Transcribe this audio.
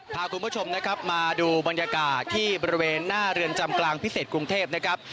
พาคุณผู้ชมนะครับมาดูบรรยากาศที่บริเวณหน้าเรือนจำกลางพิเศษกรุงเทพนะครับ